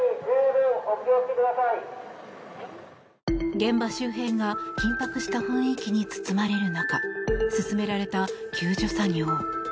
現場周辺が緊迫した雰囲気に包まれる中進められた救助作業。